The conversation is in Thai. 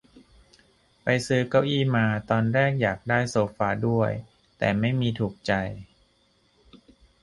ไปซื้อเก้าอี้มา ตอนแรกอยากได้โซฟาด้วย แต่ไม่มีถูกใจ